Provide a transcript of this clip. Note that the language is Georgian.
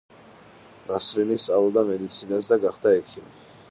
ნასრინი სწავლობდა მედიცინას და გახდა ექიმი.